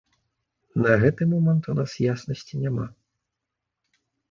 На гэты момант у нас яснасці няма.